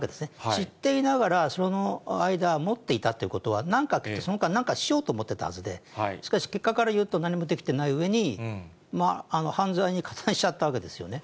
知っていながら、その間、持っていたということは、なんか、その間、なんかしようとしてたはずで、しかし、結果からいうと、何もできてないうえに、犯罪に加担しちゃったわけですよね。